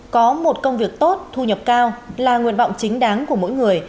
có một công việc tốt thu nhập cao là nguyện vọng chính đáng của mỗi người